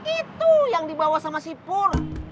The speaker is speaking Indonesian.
itu yang dibawa sama sipur